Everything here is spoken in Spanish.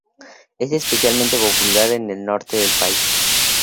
Es especialmente popular en el norte del país.